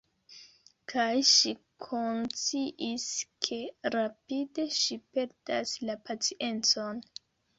Kaj ŝi konsciis ke rapide ŝi perdas la paciencon.